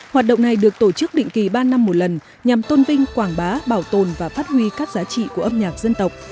hoạt động này được tổ chức định kỳ ba năm một lần nhằm tôn vinh quảng bá bảo tồn và phát huy các giá trị của âm nhạc dân tộc